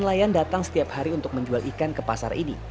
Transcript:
nelayan datang setiap hari untuk menjual ikan ke pasar ini